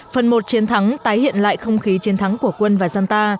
phần một chiến thắng tái hiện lại không khí chiến thắng của quân và dân ta